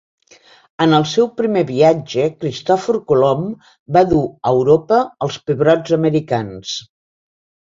En el seu primer viatge, Cristòfor Colom va dur a Europa els pebrots americans.